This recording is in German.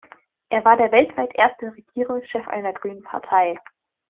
Er war der weltweit erste Regierungschef einer grünen Partei.